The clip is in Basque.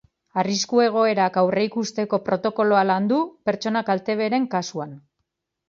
Arrisku egoerak aurreikusteko protokoloa landu, pertsona kalteberen kasuan.